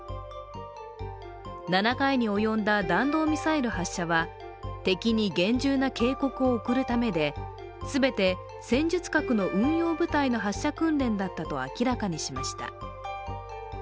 ７回に及んだ弾道ミサイル発射は敵に厳重な警告を送るためで全て戦術核の運用部隊の発射訓練だったと明らかにしました。